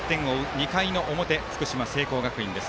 ２回の表福島・聖光学院です。